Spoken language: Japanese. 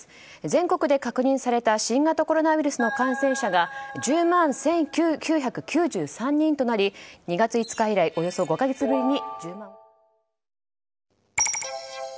全国で確認された新型コロナウイルスの感染者が１０万人を超え２月５日以来およそ５か月ぶりに。